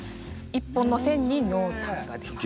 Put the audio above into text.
一本の線に濃淡が出ます。